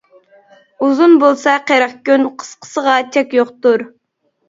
ئۇزۇن بولسا قىرىق كۈن، قىسقىسىغا چەك يوقتۇر.